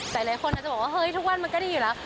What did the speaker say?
หลายคนอาจจะบอกว่าเฮ้ยทุกวันมันก็ดีอยู่แล้ว